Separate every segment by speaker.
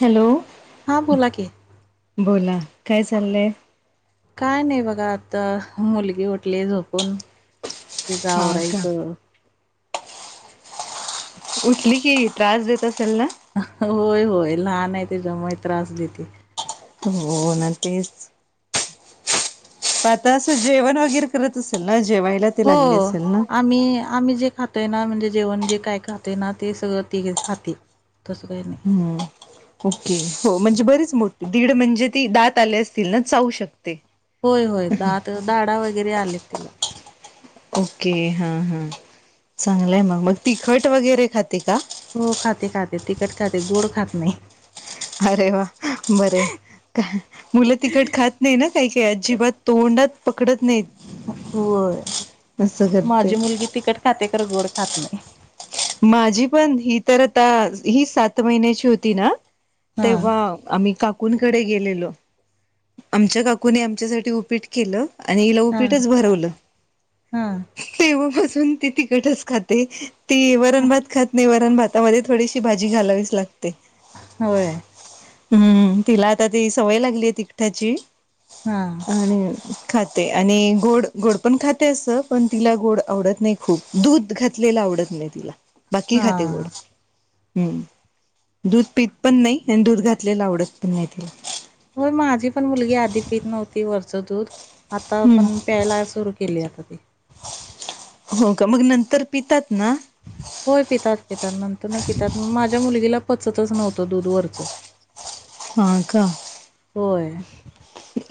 Speaker 1: Hello
Speaker 2: हा बोला की,
Speaker 1: बोला काय चाललंय.
Speaker 2: काय नाही बघा आता मुलगी उठली झोपुन. तीच
Speaker 1: हा का
Speaker 2: आवरयच.
Speaker 1: उठली की त्रास देत असेल ना,
Speaker 2: होय, होय, लहान आहे त्याच्यामुळेय त्रास देते.
Speaker 1: हो न तेच, [unintelligible] आता असं जेवण वगैरे करत असेल ना, जेवायला ते
Speaker 2: हो
Speaker 1: लागले असेल ना
Speaker 2: आम्ही, आम्ही जे खात ना म्हणजे जेवण जे काय खाते ना ते सगळं ते खाते. तसं काही नाही.
Speaker 1: हम्म ओके हो, म्हणजे बरीच मोठी दीड म्हणजे ती दात आले असतील ना चाऊू शकते.
Speaker 2: होय होय दात धाडा वगैरे आलेत तिला.
Speaker 1: ओके, हा हा चांगलंय मग मग तिखट वगैरे खाते का?
Speaker 2: हो खाते खाते, तिखट खाते गोड खात नाही.
Speaker 1: अरे वा! बर, का मुल तिकड खात नाही ना, काही काही अजिबात तोंडात पकडत नाहीत.
Speaker 2: होय
Speaker 1: असं करते
Speaker 2: माझी मुलगी तिकट खाते. गोड खात नाही.
Speaker 1: माझी पण ही तर आता ही सात महिन्याची होती ना,
Speaker 2: हां,
Speaker 1: तेव्हा आम्ही काकूनकडे गेलेलो, आमच्या काकूने आमच्यासाठी उपीट केल. आणि ह ल
Speaker 2: हां,
Speaker 1: उपीटच भरवल.
Speaker 2: हां.
Speaker 1: ते ते तिकटच खाते ते वरणभात खात नाही, वरणात हातामध्ये थोडीशी भाजी घालावीच लागते.
Speaker 2: होय.
Speaker 1: हम्म तिला आता ती सवय लागलीय तिकट्याची
Speaker 2: हां,
Speaker 1: आणि [unintelligible] आणि गोड गोड पण खाते. अस पण तिला गोड आवडत नाही, खूप दूध घातलेला आ आवडत नाही तिला बाकी खाते गोड.
Speaker 2: हां.
Speaker 1: हम्म दूध पीत पण नाही आणि दूध घातलेला आवडत पण नाही तिला.
Speaker 2: हो माझी पण मुलगी आधी पित नव्हती वरच दूध. आता
Speaker 1: हम्म.
Speaker 2: पण प्यायला सुरू केली आता. ती.
Speaker 1: हो का मग नंतर पितात ना,
Speaker 2: होय पितात पितात नंतर ना पितात माझ्या मुलगीला पचतच नव्हत दूधवररच
Speaker 1: हा का,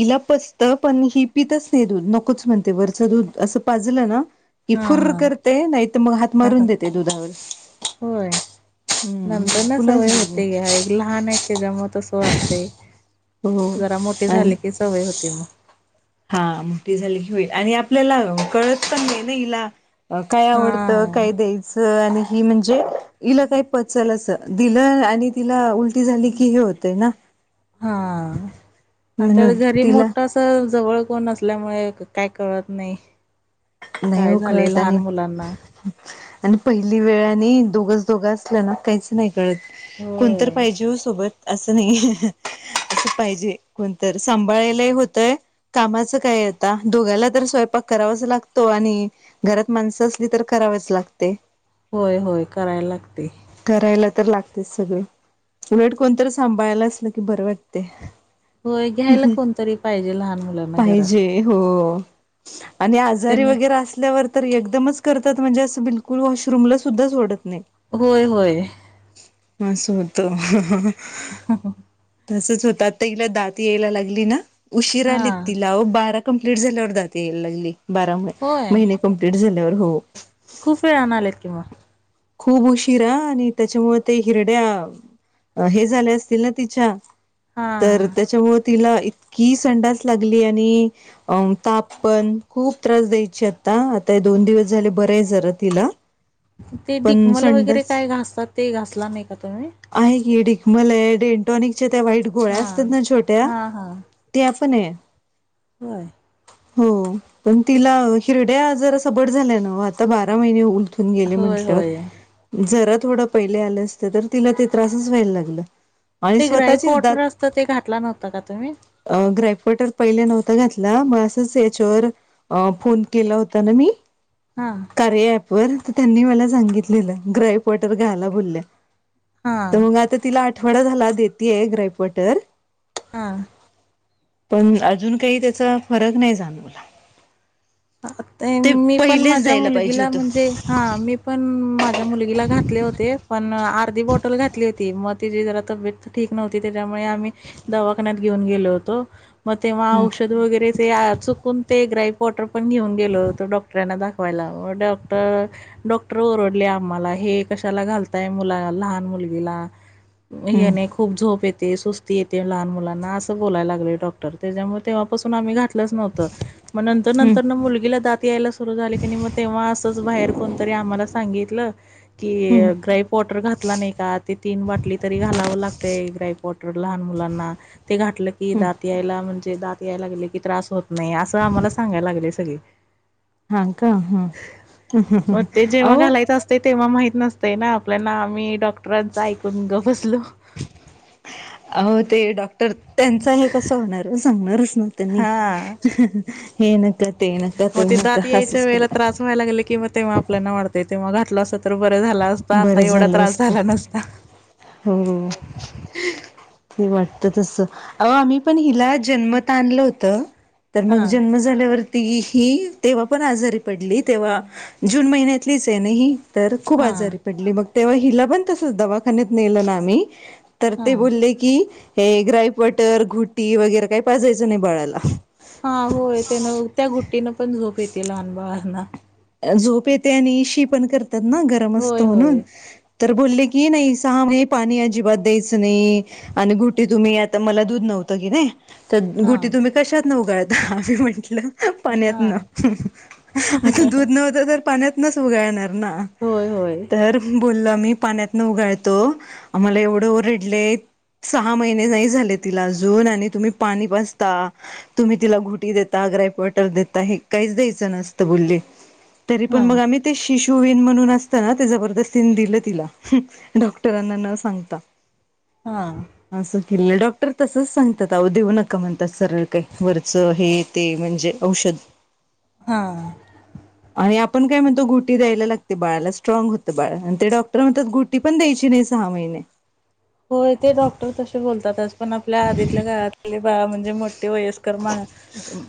Speaker 1: इला पचत पण, ही पितच नाही दूध नकोच म्हणते. वरचं दूध असं पाजलं ना कि
Speaker 2: हां,
Speaker 1: फुर
Speaker 2: हां.
Speaker 1: करते नाही तर मग हात मारून देते दुधावर.
Speaker 2: होय.
Speaker 1: हम्म
Speaker 2: नंतर ना
Speaker 1: बिलकुलच
Speaker 2: सवय
Speaker 1: दूध नाही.
Speaker 2: होते घ्या एक लहान आहेत. त्याच्यामुळे तस वाटतय
Speaker 1: हो
Speaker 2: जरा मोठीे
Speaker 1: आणि
Speaker 2: झाले की सवय होती मग.
Speaker 1: हा मोठी झाली की होईल आणि आपल्याला कळत पण नाही ना हिला. अ काय आवडत
Speaker 2: हां,
Speaker 1: काय द्यायच आणि ही म्हणजे ईला काही पचल अस दिलं आणि तिला उलटी झाली की हे होतय ना,
Speaker 2: हा तर
Speaker 1: म्हणून
Speaker 2: घरी
Speaker 1: तिला
Speaker 2: मोठ अस.. जवळ कोण असल्यामुळे काय कळत नाही.
Speaker 1: नाही
Speaker 2: काय झालंय
Speaker 1: उकळत
Speaker 2: लहान
Speaker 1: आणि
Speaker 2: मुलांना.
Speaker 1: आणि पहिली वेळाने दोघंच दोघं असल्या ना काहीच नाही कळत कोणत
Speaker 2: होय.
Speaker 1: पाहिजे हो सोबत. अस नाही अस पाहिजे कोणतरी सांभाळाला होतंय कामाचं काय आता दोघाला तर स्वय प्पा करावाच लागतो आणि घरात माणस असली तर करावच लागते.
Speaker 2: होय होय करायला लागते.
Speaker 1: करायला तर लागते सगळे उलट कोणत सांभाळायला असल की बरं वाटतय
Speaker 2: होय घ्यायला कोणतरी पाहिजे लहान मुलांना घरात
Speaker 1: पाहिजे हो. आणि आजारी
Speaker 2: त्यांनी
Speaker 1: वगैरे असल्यावर तर एकदमच करतात म्हणजे असं बिलकुल वॉशरूमला सुद्धा सोडत नाही
Speaker 2: होय, होय
Speaker 1: असं होतं
Speaker 2: ह
Speaker 1: तसच होत आता तिला दात यायला लागली ना उशीरा यायला
Speaker 2: हां.
Speaker 1: तिला बारा कंप्लीट झाल्यावर जाते यायला लागली बारा
Speaker 2: होय,
Speaker 1: महिने कंप्लीट झाल्यावर हो
Speaker 2: खूप वेळाने आलेत की मग
Speaker 1: खूप उशीरा आणि त्याच्यामुळे ते हिरड्या हे झाले असतील ना तिच्या तर
Speaker 2: हां.
Speaker 1: त्याच्यामुळे तिला इतकी संडाच लागली आणि अ ताप पण खूप त्रास द्यायचे आता आता हे दोन दिवस झाले बरे आहे जरा तिला
Speaker 2: ते
Speaker 1: पण
Speaker 2: डिकमल वगैरे
Speaker 1: संडास
Speaker 2: काय घासतात ते घासला नाही का तुम्ही
Speaker 1: मला डेंटॉनिकच्या त्या वाईट गोळ्या असतात
Speaker 2: हां.
Speaker 1: ना छोट्या
Speaker 2: हां, हां.
Speaker 1: त्या पण आहे
Speaker 2: होय
Speaker 1: हो पण तिला हिरड्या जरा सबट झाल्या न आता बारा महिने होऊन होऊन गेले
Speaker 2: होय, होय.
Speaker 1: म्हटल्यावर जरा थोडं पहिले आलं असतं तर तिला ते त्रासच व्हायला लागलं आणि
Speaker 2: ते
Speaker 1: स्वतःचीच दात
Speaker 2: ग्राईपॉटर असतं ते घातलं नव्हता का तुम्ही
Speaker 1: पटर पहिले नव्हता घातला मग असंच याच्यावर फोन केला होता ना मी
Speaker 2: हां,
Speaker 1: कार्य अप वर त्यांनी मला सांगितलेलं ग्रय वॉटर घायला बोलल्या तर
Speaker 2: हां,
Speaker 1: मग आता तिला आठवडा झाला देतय ग्रायपवाटर
Speaker 2: हा
Speaker 1: पण अजून काही त्याचा फरक नाही जाणवला
Speaker 2: ते मी पण
Speaker 1: पहिलेच
Speaker 2: माझ्या
Speaker 1: द्यायला पाहिजे
Speaker 2: मुलगीला
Speaker 1: होतं.
Speaker 2: म्हणजे हां मी पण माझ्या मुलगीला घातले होते पण आ अधी बॉटल घातली होती मग तिची जरा तब्येत ठीक नव्हती त्याच्यामुळे आम्ही दवाखान्या घेऊन गेलो होतो मग तेव्हा
Speaker 1: हं
Speaker 2: औषध वगैरे ते चुकून ते ग्राईप वॉटर आपण घेऊन गेलो तो डॉक्टरांना दाखवायला डॉक्टर, डॉक्टर ओरडले आम्हाला हे कशाला घालताय मुलाला लहान मुलगी ला
Speaker 1: हं
Speaker 2: येणे खूप झोप येत ते सुस्ती येते लहान मुलांना असं बोलायला लागले डॉटर त्याच्यामुळे तेव्हापासून आम्ही घात घातलाच नव्हतं मग नंतर,
Speaker 1: हं.
Speaker 2: नंतर तर ना मुलगीला दात यायला सुरू झाली क नाही मग तेव्हा असंच बाहेर कोणतरी आम्हाला सांगितलं
Speaker 1: हं
Speaker 2: की ग्राईप वॉटर घातला नाही का ते तीन बाटली तरी घालावं लागतंय ग्राईप वॉटर लहान मुलांना ते घातले की
Speaker 1: हं
Speaker 2: दात यायला दात यायला लागले कि त्रास होत नाही असं आम्हाला सांगायला लागले सगळे
Speaker 1: हां का हा
Speaker 2: मग ते जेव्हा घालायचं असतंय तेव्हा माहित नसतय ना आपल्याना आम्ही डॉक्टरांच ऐकून गप बसलो
Speaker 1: अ ते डॉक्टर त्यांचा हे कस होणार सांगणारच मतनी
Speaker 2: हां. मग ते दात यायच्या वेळेला त्रास व्हायला लागले कि म तेव्हा आपल्याना वाढतेय तेव्हा घातलं अस तर बर झाला असत आता
Speaker 1: बरं
Speaker 2: एवढा
Speaker 1: झालं
Speaker 2: त्रास
Speaker 1: असतं
Speaker 2: झाला नसता
Speaker 1: हो ते वाटत तसं अ आम्ही पण हिला जन्मत आणलं होतं तर मग
Speaker 2: हां.
Speaker 1: जन्म झाल्यावर ती ही तेव्हा पण आजारी पडली तेव्हा जून महिन्यातलीच आहे नाही ह तर खूप आजारी
Speaker 2: हां
Speaker 1: पडली मग तेव्हा हिला पण तसंच दवा दवाखान्यात नेल ना आम्ही तर ते
Speaker 2: हां
Speaker 1: बोलले की हे ग्राईपटर घुटी वगैरे काही पाजायचं नाही बाळाला
Speaker 2: हा होय त्या ना त्या गुट्टीनं पण झोप येते लहान बाहना
Speaker 1: झोप येते आणि शी पण करतात ना गरम
Speaker 2: होय
Speaker 1: असतं म्हणून
Speaker 2: होय
Speaker 1: तर बोलले की नाही सहा पाणी अजिबात द्यायचं नाही आणि घुटे तुम्ही आता मला दूध न आत की नाही, क गुटी
Speaker 2: हां
Speaker 1: तुम्ही कशात न उघाळता आम्ही म्हंटलं. पाण्यात न
Speaker 2: हां
Speaker 1: आता दूध नव्हत तर पाण्यात नच उगाळणार. ना
Speaker 2: होय होय
Speaker 1: तर बोल आमी. पाण्यातनं उघाळतो आम्हाला एवढं ओरडले. सहा महिने नाही झाले तिला अजून आणि तुम्ही पाणी पाजता तुम्ही तिला घुटी देता. ग्राईप वॉटर देता. हे काहीच द्यायचं नसतं बोलले. तरी पण
Speaker 2: हां
Speaker 1: मग आम्ही ते शिशू विन म्हणून असतना ते जबरदस्तीन दिलं तिला डॉक्टरांना न सांगता.
Speaker 2: हा.
Speaker 1: असं डॉक्टर तसच सांगतात अ देऊ नका म्हणतात सरळ काही वरचं हे ते म्हणजे औषध. हद.
Speaker 2: हा.
Speaker 1: आणि आपण काय म्हणतो गुटी द्यायला लागते बाळाला स्ट्रॉग होतं बाळ आणि तेडॉक्टर म्हणतात गुटी पण द्याय नाही सहा होय.
Speaker 2: हो ते डॉक्टर तसे बोलतातच पण आपल्या आधीतल्या काळातले. म्हणजे मोठे वयस्कर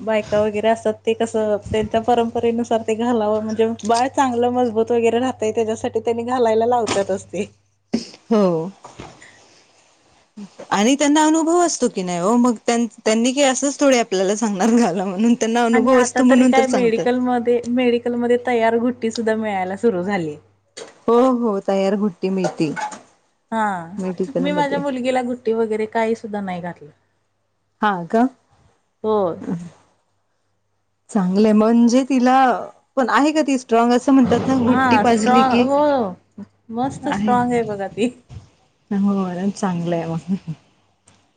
Speaker 2: बायका वगैरे असतात ते कस त्यांच्या परंपरेनुसार, ते घालाव म्हणजे बाळ चांगलं मजबूत वगैरे राहतय त्याच्यासाठी त्यांनी घालायला लावतातच ते.
Speaker 1: हो. आणि त्यांना अनुभव असतो की नाही हो मग त्यांनी का असंच थोडे आपल्याला सांगणार घाल म्हणून. त्यांना
Speaker 2: आणि
Speaker 1: अनुभव
Speaker 2: आता
Speaker 1: असतो
Speaker 2: तरी
Speaker 1: म्हणून तर
Speaker 2: काय
Speaker 1: सांगतात
Speaker 2: मेडिकलमध्ये मेडिकलमध्ये तयार घुट्टी सुद्धा मिळायला सुरु झाली.
Speaker 1: हो हो तयार घुट्टी मिळती.
Speaker 2: हा मी
Speaker 1: मेडिकलमध्ये
Speaker 2: माझ्या मुलगीला घुट्टी वगैरे काही सुद्धा नाही घातलं.
Speaker 1: हा का.
Speaker 2: होय
Speaker 1: चांगलंय म्हणजे तिला पण आहे का ती स्ट्रॉग अस. अस म्हणतात घुट्टी
Speaker 2: हा
Speaker 1: पाजली
Speaker 2: स्ट्रॉग
Speaker 1: की,
Speaker 2: हो मस्त
Speaker 1: आहे.
Speaker 2: स्ट्रॉंग बघा ती
Speaker 1: हर चांगलं आहे मग.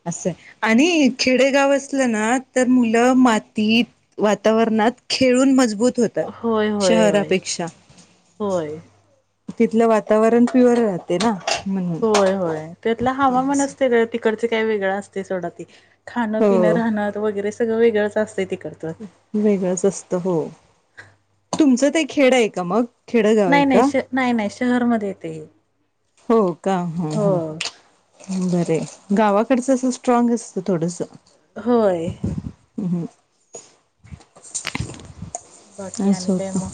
Speaker 1: असं आणि खेडेगाव असलं ना तर मुलं मातीत वातावरण नात खेळून मजबूत
Speaker 2: होय
Speaker 1: होतात
Speaker 2: होय होय
Speaker 1: शहरापेक्षा.
Speaker 2: होय
Speaker 1: तिथलं वातावरण प्युअर राहते ना. म्हणून
Speaker 2: होय होय त्यातला हवामान
Speaker 1: असं.
Speaker 2: असते तिकडचे काय वेगळं असते सोड ती. खाण पिणं
Speaker 1: हो
Speaker 2: राहण वगैरे सगळं वेगळंच असते. तिकडचं
Speaker 1: वेगळंच अस्त हो. तुमच ते खेड आहे का मग. खेडगाव आहे
Speaker 2: नाही नाही
Speaker 1: का?
Speaker 2: श नाही नाही शहरमध्ये येतय हे.
Speaker 1: हो का हो हो. बरे गावाकडचं अस स्ट्रॉग असतं थोडस.
Speaker 2: होय.
Speaker 1: ह हं.
Speaker 2: बाकी आणि काय
Speaker 1: होतं.
Speaker 2: मग.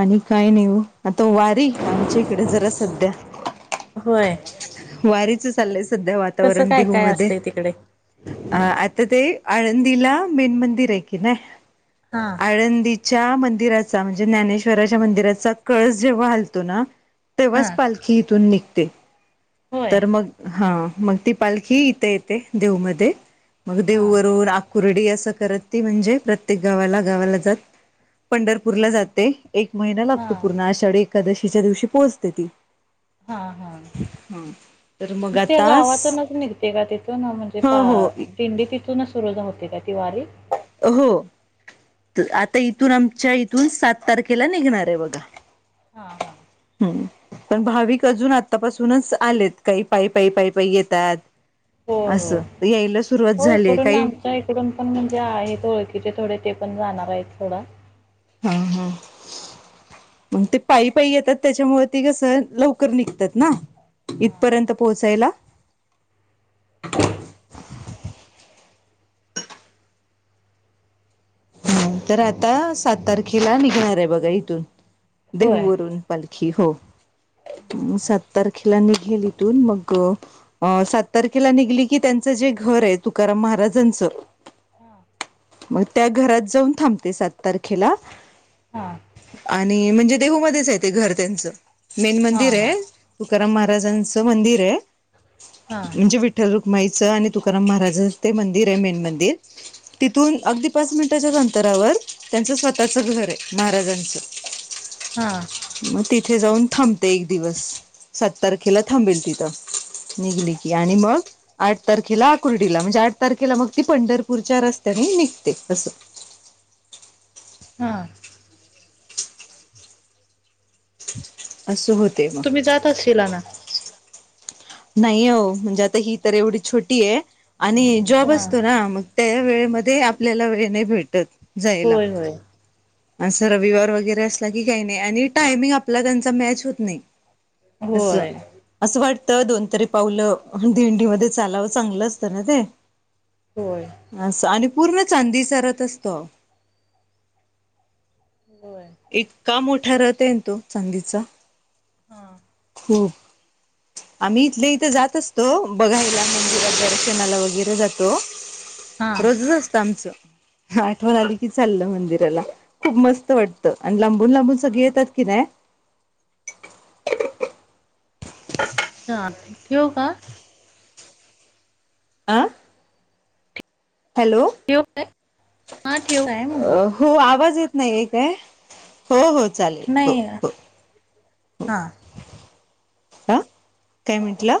Speaker 1: आणि काय नाही हो आता वारी आमच्या इकडे जरा सध्या.
Speaker 2: होय
Speaker 1: वारीच चालंयस स सध्या
Speaker 2: कसं
Speaker 1: वातावरण
Speaker 2: काय
Speaker 1: देहू
Speaker 2: काय
Speaker 1: मध्ये
Speaker 2: असतंय तिकडे
Speaker 1: अ आ ता ते आळंदीला मेन मंदिर आहे की नाही
Speaker 2: हा
Speaker 1: आळंदीच्या मंदिराचा म्हणजे ज्ञानेशच्या मंदिराचा कळस जेव्हा हालतो ना.
Speaker 2: हा
Speaker 1: तेव्हाच पालखी इथून निघते.
Speaker 2: होय
Speaker 1: तर मग हा मग ती पालखी इथे येते देऊमध्ये. मग
Speaker 2: हा
Speaker 1: देववरून आकुर्डी असं करत ति म्हणजे प्रत्येक गावा गावाला जात. पंढरपूरला जाते. एक महिना
Speaker 2: हा
Speaker 1: लागतो पूर्ण अशाढी एकादशीच्या दिवशी पोहचते ती.
Speaker 2: हा
Speaker 1: तर मग
Speaker 2: हा त्या
Speaker 1: आतास
Speaker 2: गावातच निघते का तिथून म्हणजे
Speaker 1: हो
Speaker 2: पाई
Speaker 1: हो
Speaker 2: दिंडी तिथूनच सुरू का ति वारी.
Speaker 1: हो आता इथून आमच्या इथून सात तारखेला निघणार आहे बघा.
Speaker 2: हा हा
Speaker 1: हम्म पण भाविक अजून आतापासूनच आलेत, काही पायी पायी पायी पायी येतात
Speaker 2: होय होय.
Speaker 1: असं यायला सुरुवात
Speaker 2: हो
Speaker 1: झालीय,
Speaker 2: इकडून
Speaker 1: काही
Speaker 2: आमच्या इकडून पण म्हणजे आहेत ओळखीचे थोडे ते पण जाणार आहेत सोडा.
Speaker 1: हम हम! मग ते पायी पायी येतात त्याच्यामुळे ते कसं लवकर निघतात ना! इथपर्यंत पोहोचायला. [unintelligible] हम तर आता सात तारखेला निघणार आहे बघा इथून. देहू
Speaker 2: होय.
Speaker 1: वरून पालखी हो सात
Speaker 2: हा
Speaker 1: तारखेला निघेल. तर अण मग सात तारखेला निघलो की त्यांचं जे घर आहे तुकाराम महाराजांचं,
Speaker 2: हा
Speaker 1: मग त्या घरात जाऊन थांबते सात तारखेला.
Speaker 2: हा
Speaker 1: आणि म्हणजे, देहूमध्येच आहे ते घर त्यांचं मेन मंदिर
Speaker 2: हा
Speaker 1: आहे. तुकाराम महाराजांचं मंदिर आहे,
Speaker 2: हा
Speaker 1: म्हणजे विठ्ठल रूक माईच आणि तुकाराम महाराजच ते मंदिर आहे मेन मंदिर तथून अगदी पाच मिनिटाच्याच अंतरावर त्यांचं स्वतःचं घर आहे, महाराजांचं
Speaker 2: हा
Speaker 1: मग तिथे जाऊन थांबते एक दिवस सात तारखेला थांबेल तिथं. ह आणि मग आठ तारखेला आकुर्डीला म्हणजे, आठ तारखेला मग ती पंढरपूरच्या रस्त्याने निघ ते असं.
Speaker 2: हा.
Speaker 1: असं होत.
Speaker 2: तुम्ही जात असशिला ना?
Speaker 1: नाही आहो म्हणजे आता ही तर एवढी छोटी आहे आणि जॉब
Speaker 2: हा
Speaker 1: असतो ना मग, त्या वेळामध्ये आपल्याला वेळ नाही भेटत. जायला
Speaker 2: होय होय.
Speaker 1: असं रविवार वगैरे असला की काही नाही आणि टायमिंग आपला त्यांचा मॅच होत नाही. असं
Speaker 2: होय
Speaker 1: असं वाट त दोन तरी पावलं दिंडीमध्ये चालावं चांगलं असतं ना ते,
Speaker 2: होय
Speaker 1: अस आणि पूर्ण चांदीच रत असतो.
Speaker 2: होय.
Speaker 1: इतका मोठा रथ आहे ना तो चांदीचा.
Speaker 2: हा
Speaker 1: हो. आम्ही इथल्या इथ जात असतो बघायला मंदिरात दर्शनाला वगैरे जातो.
Speaker 2: हा
Speaker 1: रोजच असतं आमचं आठवण आली की चाललं मंदिराला खूप मस्त वाटत. आणि लांबून लांबून सगळे येतात की नाही.
Speaker 2: ह ठेवू का?
Speaker 1: आ. हॅलो!
Speaker 2: ठेवू काय? हा ठेवू काय म्हटलं?
Speaker 1: अ. हो आवाज येत नाहीये काय हो हो. चालेल हो
Speaker 2: नाही
Speaker 1: हो हो.
Speaker 2: हा.
Speaker 1: ह काय म्हटला?